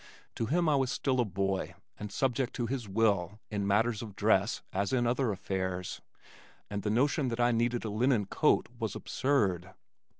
To him I was still a boy and subject to his will in matters of dress as in other affairs, and the notion that I needed a linen coat was absurd.